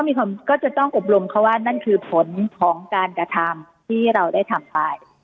ก็จะต้องอบรมเขาว่านั่นคือผลของการกระทำที่เราได้ทำไป